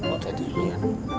oh tadi ilya